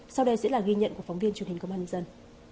sau đây sẽ là ghi nhận của phóng viên truyền hình công an nhân dân